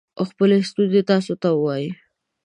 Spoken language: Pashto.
او خپلې ستونزې تاسو ته ووايي